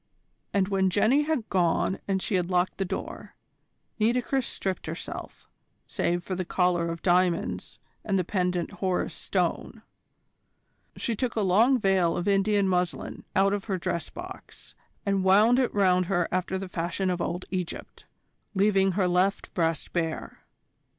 And when Jenny had gone and she had locked the door, Nitocris stripped herself, save for the collar of diamonds and the pendant Horus Stone. She took a long veil of Indian muslin out of her dress box and wound it round her after the fashion of old Egypt, leaving her left breast bare.